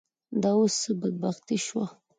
دا اوس څه بدبختي شوه.